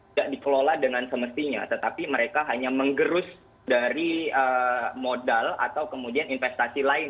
tidak dikelola dengan semestinya tetapi mereka hanya menggerus dari modal atau kemudian investasi lain